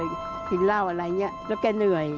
เจ็บป่วยหิดเล่าอะไรอย่างนี้แล้วแก่เหนื่อย